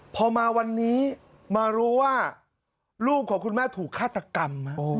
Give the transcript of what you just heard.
พอมาวันนี้มารู้ว่าลูกของคุณแม่ถูกฆาตกรรม